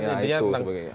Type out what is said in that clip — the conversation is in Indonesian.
ya itu sebagainya